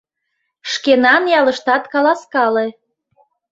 Шкенан ялыштат каласкале...